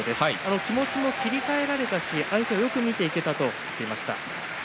気持ちも切り替えられたし相手をよく見ていけたと言っていました。